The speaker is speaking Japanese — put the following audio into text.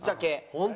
本当？